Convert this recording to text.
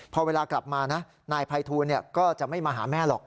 พอเวลากลับมานะนายภัยทูลก็จะไม่มาหาแม่หรอก